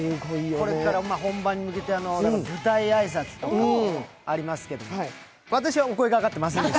これから本番に向けて舞台挨拶とかありますけど私はお声かかってませんけど。